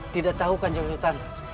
tidak tahu kanjeng sultan